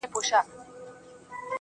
چي بیا به څه ډول حالت وي، د ملنگ.